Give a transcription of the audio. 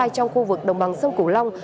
trong khu vực đồng bằng sông củ long